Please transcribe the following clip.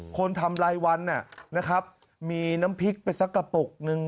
คนทำรายวันนะครับมีน้ำพริกไปสักกระปุกนึง